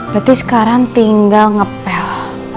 berarti sekarang tinggal ngepel